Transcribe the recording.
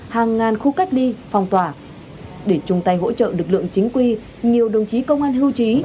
hàng ngàn khu cách ly phong tỏa để chung tay hỗ trợ lực lượng chính quy nhiều đồng chí công an hưu trí